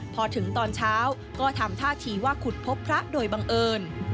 พอถึงตอนเช้าก็ทำท่าทีว่าขุดพบพระโดยบังเอิญ